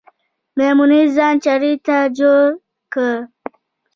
میمونۍ ځان چړې ته جوړ که